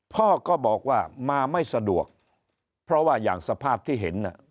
พ่อก็บอกว่ามาไม่สะดวกเพราะว่าอย่างสภาพที่เห็นน่ะ